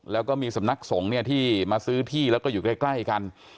แล้วก็มีสำนักสงฆ์เนี่ยที่มาซื้อที่แล้วก็อยู่ใกล้กัน